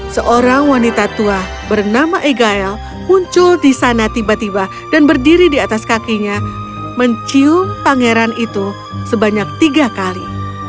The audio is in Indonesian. seorang wanita tua bernama egael muncul di sana tiba tiba dan berdiri di atas kakinya mencium pangeran itu sebanyak tiga kali